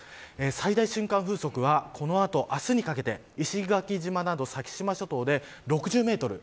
最大瞬間風速はこの後、明日にかけて石垣島など先島諸島で、６０メートル